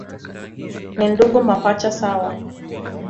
Ni ndugu mapacha sawa.